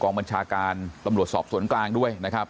บัญชาการตำรวจสอบสวนกลางด้วยนะครับ